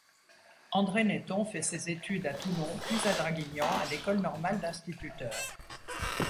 André Neyton fait ses études à Toulon puis à Draguignan à l’École Normale d’Instituteurs.